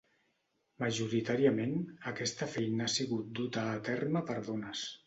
Majoritàriament aquesta feina ha sigut duta a terme per dones.